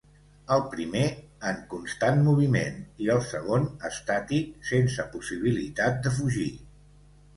El primer en constant moviment, i el segon estàtic, sense possibilitat de fugir.